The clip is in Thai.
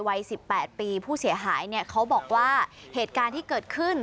วัย๑๘ปีผู้เสียหายเนี่ยเขาบอกว่าเหตุการณ์ที่เกิดขึ้น